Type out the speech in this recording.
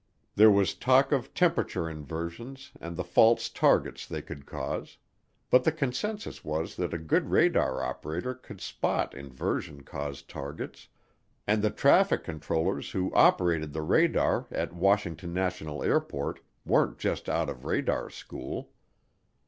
There was talk of temperature inversions and the false targets they could cause; but the consensus was that a good radar operator could spot inversion caused targets, and the traffic controllers who operated the radar at Washington National Airport weren't just out of radar school.